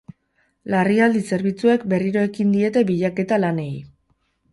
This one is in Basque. Larrialdi zerbitzuek berriro ekin diete bilaketa lanei.